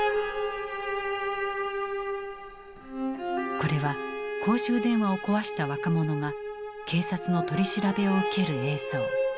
これは公衆電話を壊した若者が警察の取り調べを受ける映像。